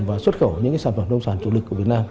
và xuất khẩu những sản phẩm nông sản chủ lực của việt nam